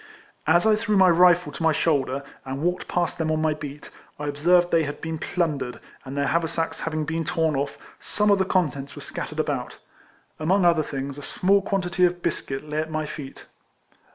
As I threw my rifle to my RIFLEMAN HARRIS. 89 shoulder, and walked past them on my beat, I observed they had been plundered, and their haversacks having been torn off, some of the contents were scattered about. Among other things, a small quantity of biscuit lay at my feet.